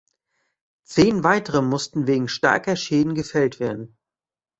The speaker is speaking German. Zehn weitere mussten wegen starker Schäden gefällt werden.